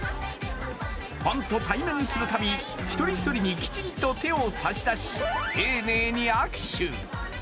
ファンと対面するたび一人一人にきちんと手を差し出し丁寧に握手。